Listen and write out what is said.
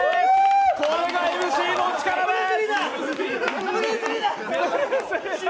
これがＭＣの力です！